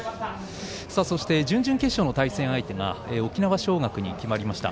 そして準々決勝の対戦相手が沖縄尚学に決まりました。